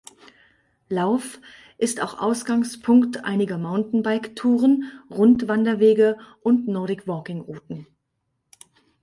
Lauf ist auch Ausgangspunkt einiger Mountainbiketouren, Rundwanderwege und Nordic-Walking-Routen.